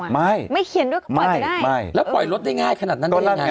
ไม่ไม่เขียนด้วยก็ปล่อยแต่ได้ไม่แล้วปล่อยรถได้ง่ายขนาดนั้นได้ยังไง